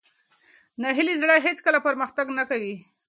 ناهیلي زړه هېڅکله پرمختګ نه کوي.